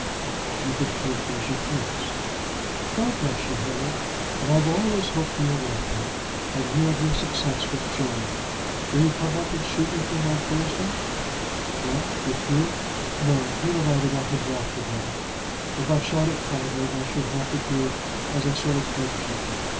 "You can treat it as you please." "God bless you, Harry; and I will always hope for your welfare, and hear of your success with joy. Will you come up and shoot with them on Thursday?" "What, with Hugh? No; Hugh and I do not hit it off together. If I shot at Clavering I should have to do it as a sort of head keeper.